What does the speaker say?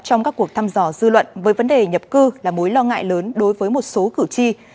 trong các cuộc thăm dò dư luận với vấn đề nhập cư là mối lo ngại lớn đối với một số cử tri